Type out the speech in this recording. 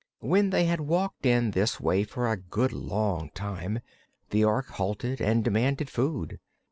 When they had walked in this way for a good long time the Ork halted and demanded food.